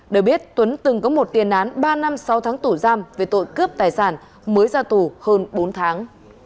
để biết tuấn từng có một tiền án ba năm sau tháng tủ giam về tội cướp tài sản mới ra tù hơn bốn tháng